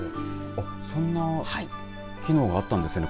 そんな機能があったんですね